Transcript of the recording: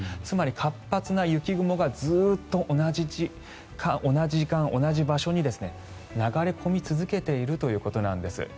つまり、活発な雪雲がずっと同じ時間、同じ場所に流れ込み続けているということなんです。